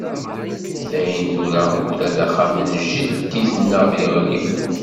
Dayen tura, ula d axxam n jeddi-tneɣ yeɣli.